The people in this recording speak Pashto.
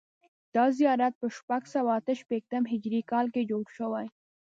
دا زیارت په شپږ سوه اته شپېتم هجري کال کې جوړ شوی.